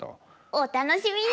お楽しみに！